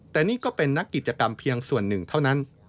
แต่นี่ก็เป็นนักกิจกรรมเพียงส่วนหนึ่งเท่านั้น